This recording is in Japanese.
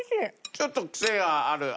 ちょっとクセがある味ですね